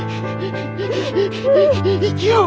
生きよう。